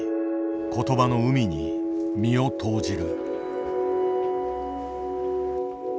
言葉の海に身を投じる。